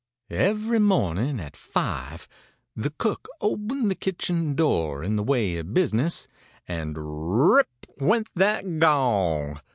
Every morning at five the cook opened the kitchen door, in the way of business, and rip went that gong!